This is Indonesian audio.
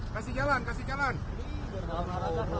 kasih jalan kasih jalan